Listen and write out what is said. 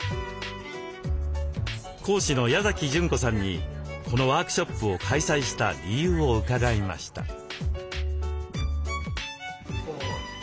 講師の矢崎順子さんにこのワークショップを開催した理由を伺いました。